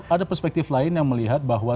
ada perspektif lain yang melihat bahwa